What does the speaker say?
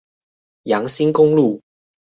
楊新公路